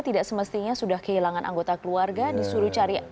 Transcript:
tidak semestinya sudah kehilangan anggota keluarga